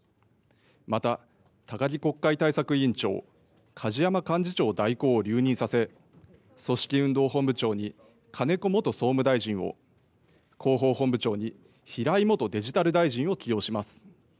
また高木国会対策委員長、梶山幹事長代行を留任させ組織運動本部長に金子元総務大臣を、広報本部長に平井元デジタル大臣を起用します。